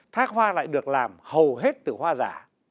thác hoa lại được làm hầu hết từ hoa giả